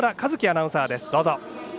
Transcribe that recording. アナウンサーです。